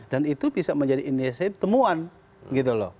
itu bisa menjadi inisiatif temuan gitu loh